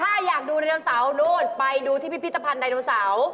ถ้าอยากดูไรีโนเสาร์นู้นไปดูที่พิพิธภัณฑ์ไดโนเสาร์